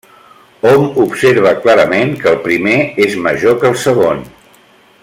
Hom observa clarament que el primer és major que el segon.